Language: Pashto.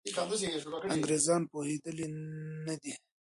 انګریزان پوهېدلي نه دي.